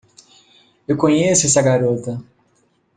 Eu conheço essa garota!